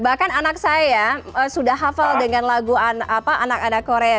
bahkan anak saya sudah hafal dengan lagu anak anak korea